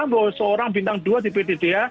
bahwa seorang bintang dua di ptdh